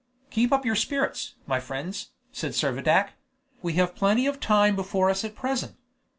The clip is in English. "Keep up your spirits, my friends," said Servadac; "we have plenty of time before us at present.